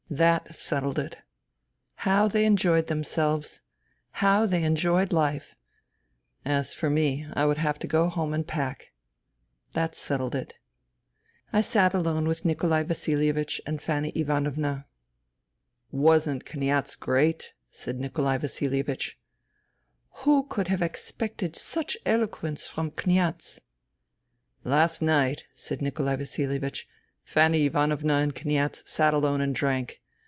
That settled it. How they enjoyed themselves ! How they enjoyed life ! As for me, I would have to go home and pack. ... That settled it. I sat alone with Nikolai Vasilievich and Fanny Ivanovna. " Wasn't Kniaz great ?" said Nikolai Vasihevich. " Who could have expected such eloquence from Kniaz ?" said Fanny Ivanovna. " Last night," said Nikolai Vasilievich, " Fanny Ivanovna and Kniaz sat alone and drank.